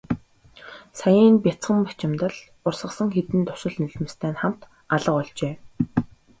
Саяын нь бяцхан бачимдал урсгасан хэдэн дусал нулимстай нь хамт алга болжээ.